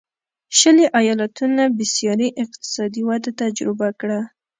شلي ایالتونو بېسارې اقتصادي وده تجربه کړه.